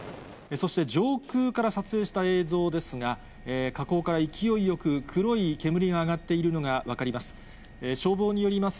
そして、上空から撮影した映像ですが、火口から勢いよく黒い煙が上がっているのが分かります。